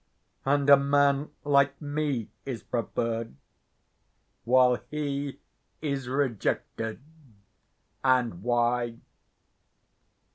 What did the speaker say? And a man like me is preferred, while he is rejected. And why?